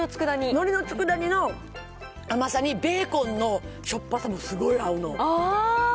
のりのつくだ煮の甘さに、ベーコンのしょっぱさもすごい合うあー。